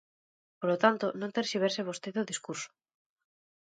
Polo tanto, non terxiverse vostede o discurso.